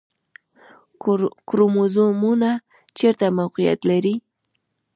کروموزومونه چیرته موقعیت لري؟